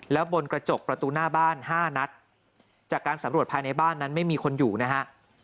แล้วบนกระจกประตูหน้าบ้าน๕นัดจากการสำรวจภายในบ้านนั้นไม่มีคนอยู่นะฮะ